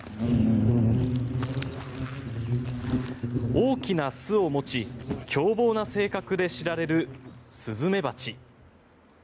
大きな巣を持ち凶暴な性格で知られるスズメバチ。